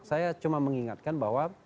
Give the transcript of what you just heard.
saya cuma mengingatkan bahwa